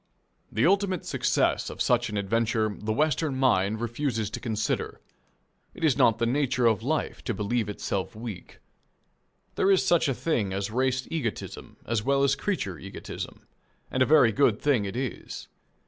The ultimate success of such an adventure the Western mind refuses to consider. It is not the nature of life to believe itself weak. There is such a thing as race egotism as well as creature egotism, and a very good thing it is.